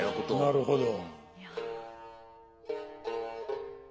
なるほど。